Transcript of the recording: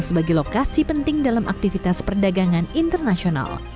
sebagai lokasi penting dalam aktivitas perdagangan internasional